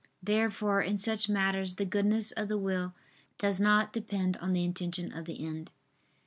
Therefore in such matters the goodness of the will does not depend on the intention of the end.